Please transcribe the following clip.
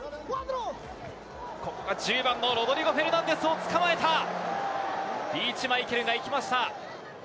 １０番のロドリゴ・フェルナンデス選手を捕まえた、リーチ・マイケル選手が行きました！